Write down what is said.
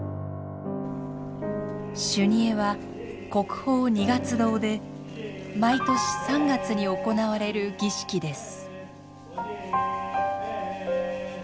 修二会は国宝二月堂で毎年３月に行われる儀式です。